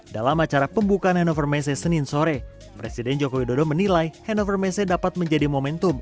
dalam acara pembukaan hannover messe senin sore presiden joko widodo menilai hannover messe dapat menjadi momentum